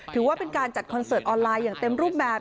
ถือว่าเป็นการจัดคอนเสิร์ตออนไลน์อย่างเต็มรูปแบบ